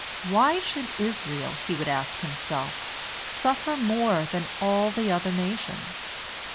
Why should Israel, he would ask himself, suffer more than all the other nations?